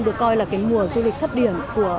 được coi là cái mùa du lịch thấp điểm